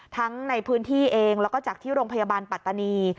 ทั้งในพื้นที่เองแล้วก็จากที่โรงพยาบาลปัตตานี